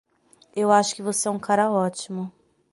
Eu acho que você é um cara ótimo.